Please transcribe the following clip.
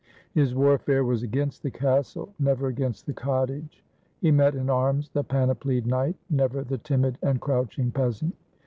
His warfare was against the castle, never against the cottage. He met in arms the panoplied knight, never the timid and crouching peas ant.